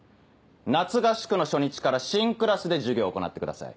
夏合宿の初日から新クラスで授業を行ってください。